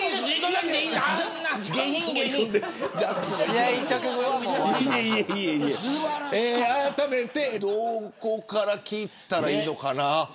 あらためてどこから聞いたらいいのかな。